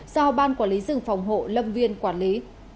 do ban quản lý rừng phòng hộ lâm viên quản lý